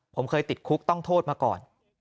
ผมเคยติดคุกต้องโทษมาก่อน